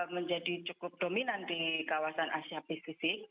menjadi cukup dominan di kawasan asia pasifik